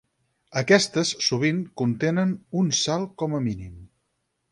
Aquestes sovint contenen un salt com a mínim.